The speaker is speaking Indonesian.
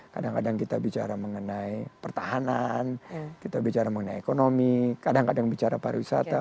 kadang kadang kita bicara mengenai pertahanan kita bicara mengenai ekonomi kadang kadang bicara pariwisata